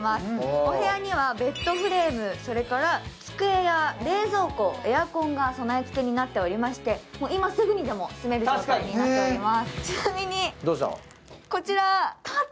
お部屋にはベッドフレーム、机や冷蔵庫、エアコンが備え付けになっておりまして、今すぐにでも住める状態になっております。